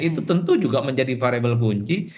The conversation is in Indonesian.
itu tentu juga menjadi variable kunci